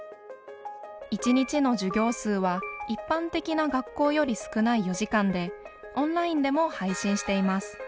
一日の授業数は一般的な学校より少ない４時間でオンラインでも配信しています。